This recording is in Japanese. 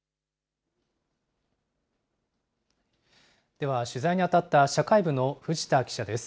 では取材に当たった社会部の藤田記者です。